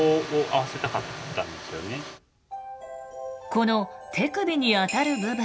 この手首にあたる部分。